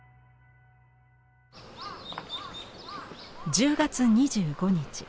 １０月２５日。